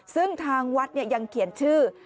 ซึ่งทางวัดยังเขียนชื่อ